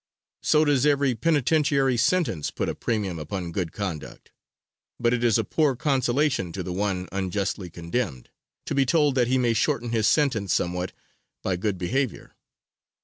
So does every penitentiary sentence put a premium upon good conduct; but it is poor consolation to the one unjustly condemned, to be told that he may shorten his sentence somewhat by good behavior.